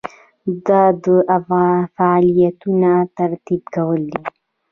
دا د فعالیتونو ترتیب کول دي.